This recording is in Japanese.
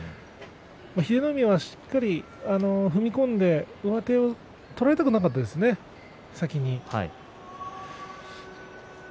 英乃海は、しっかり踏み込んで上手を取られたくなかったですね先に。